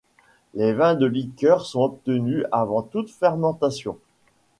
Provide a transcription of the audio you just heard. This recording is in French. Les vins de liqueur sont obtenus avant toute fermentation.